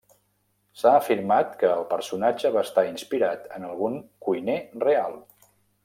S'ha afirmat que el personatge va estar inspirat en algun cuiner real.